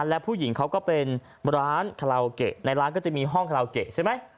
และผู้หญิงเขาก็เป็นร้านในร้านก็จะมีห้องใช่ไหมอืม